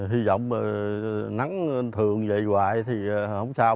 hy vọng nắng thường vậy hoài thì không sao